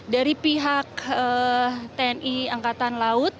dari pihak tni angkatan